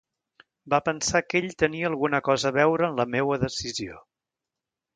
Va pensar que ell tenia alguna cosa a veure en la meua decisió.